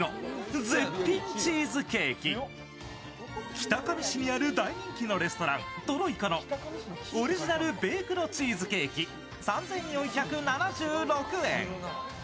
北上市にある大人気のレストラントロイカのオリジナル・ベークド・チーズケーキ、３４６７円。